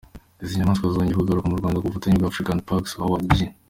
Izi nyamaswa zongeye kugaruka mu Rwanda ku bufatanye bwa African Parks, Howard G.